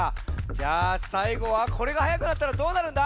じゃあさいごはこれがはやくなったらどうなるんだ？